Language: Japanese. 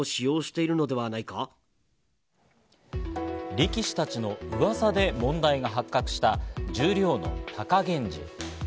力士たちのうわさで問題が発覚した十両の貴源治。